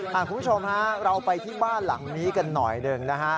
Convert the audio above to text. คุณผู้ชมฮะเราไปที่บ้านหลังนี้กันหน่อยหนึ่งนะฮะ